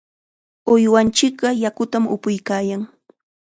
Uywanchikqa yakutam upuykaayan.